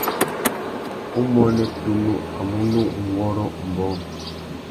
Umuênê tunu a munú nʼwôrrô umbōh.